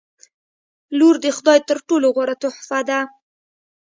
• لور د خدای تر ټولو غوره تحفه ده.